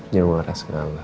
jangan marah segala